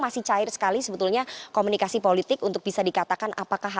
masih cair sekali sebetulnya komunikasi politik untuk bisa dikatakan apakah